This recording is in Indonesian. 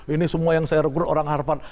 ini semua yang saya rekrut orang harvard